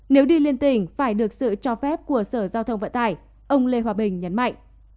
nếu đi liên tỉnh phải được sự cho phép của sở giao thông vận tải ông lê hòa bình nhấn mạnh